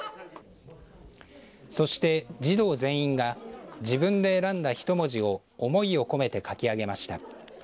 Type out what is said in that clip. そして児童全員が自分で選んだひと文字を思いを込めて書き上げました。